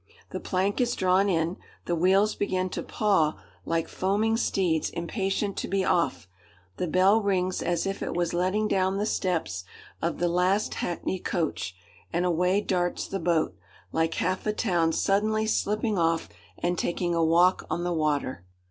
The plank is drawn in, the wheels begin to paw like foaming steeds impatient to be off, the bell rings as if it was letting down the steps of the last hackney coach, and away darts the boat, like half a town suddenly slipping off and taking a walk on the water.